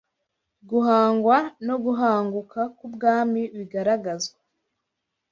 guhangwa no guhanguka k’ubwami bigaragazwa